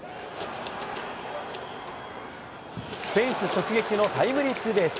フェンス直撃のタイムリーツーベース！